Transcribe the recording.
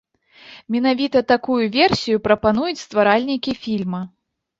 Менавіта такую версію прапануюць стваральнікі фільма.